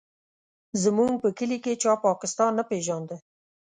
زموږ په کلي کې چا پاکستان نه پېژانده.